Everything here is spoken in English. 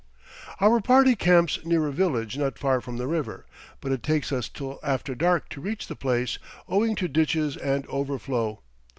Our party camps near a village not far from the river, but it takes us till after dark to reach the place, owing to ditches and overflow.